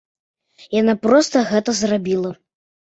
Яна проста гэта зрабіла.